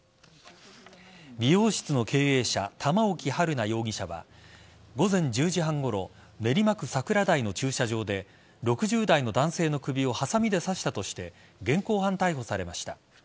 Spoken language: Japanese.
美容室の経営者玉置春奈容疑者は午前１０時半ごろ練馬区桜台の駐車場で６０代の男性の首をはさみで刺したとして現行犯逮捕されました。